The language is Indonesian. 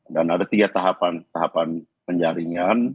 ada tiga tahapan tahapan penjaringan